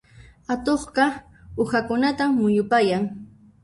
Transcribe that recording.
Atuqqa uhakunatan muyupayan.